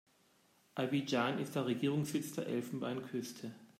Abidjan ist der Regierungssitz der Elfenbeinküste.